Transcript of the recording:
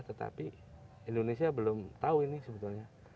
tetapi indonesia belum tahu ini sebetulnya